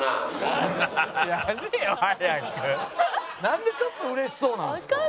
なんでちょっとうれしそうなんですか。